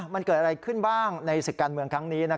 มันเกิดอะไรขึ้นบ้างในศึกการเมืองครั้งนี้